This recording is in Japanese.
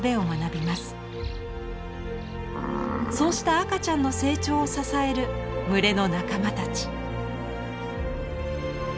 そうした赤ちゃんの成長を支える群れの仲間たち。